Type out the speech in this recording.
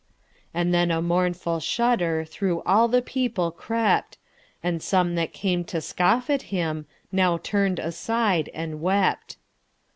And then a mournful shudderThrough all the people crept, And some that came to scoff at himNow turn'd aside and wept.